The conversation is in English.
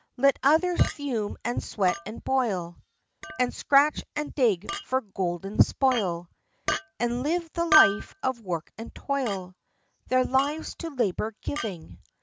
Let others fume and sweat and boil, And scratch and dig for golden spoil, And live the life of work and toil, Their lives to labor giving.